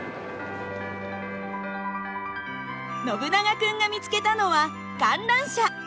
ノブナガ君が見つけたのは観覧車。